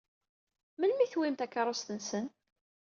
Melmi i tewwim takeṛṛust-nsen?